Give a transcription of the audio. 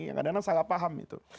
kadang kadang salah paham itu